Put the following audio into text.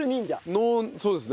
ノーそうですね。